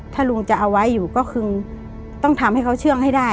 ถ้าลุงจะเอาไว้อยู่ก็คือต้องทำให้เขาเชื่องให้ได้